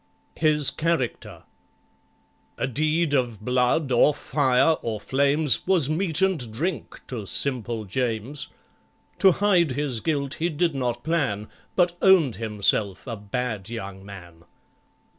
His Character A deed of blood, or fire, or flames, Was meat and drink to SIMPLE JAMES: To hide his guilt he did not plan, But owned himself a bad young man.